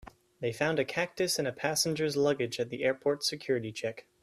They found a cactus in a passenger's luggage at the airport's security check.